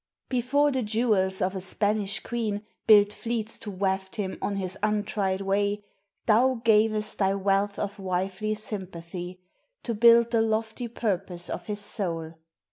Before the jewels of a Spanish queen Built fleets to waft him on his untried way, Thou gavest thy wealth of wifely sympathy To build the lofty purpose of his soul.